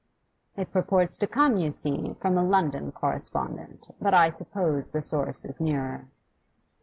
'It purports to come, you see, from a London correspondent. But I suppose the source is nearer.